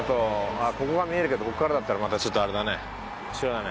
あっここから見えるけどここからだったらまたちょっとあれだね違うね。